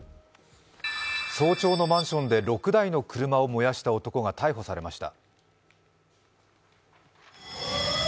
早朝のマンションで６台の車を燃やした男が逮捕されました。